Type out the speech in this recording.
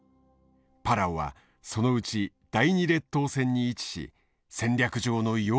パラオはそのうち第２列島線に位置し戦略上の要衝となっているのだ。